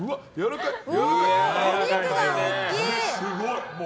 お肉が大きい！